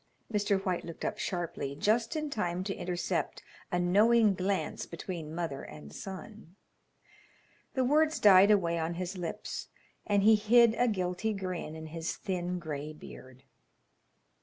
Mr. White looked up sharply, just in time to intercept a knowing glance between mother and son. The words died away on his lips, and he hid a guilty grin in his thin grey beard.